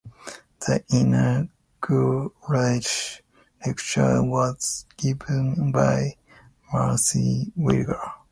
The inaugural lecture was given by Maurice Wilkes.